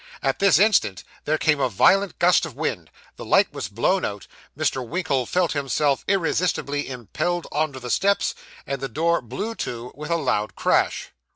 At this instant there came a violent gust of wind; the light was blown out; Mr. Winkle felt himself irresistibly impelled on to the steps; and the door blew to, with a loud crash.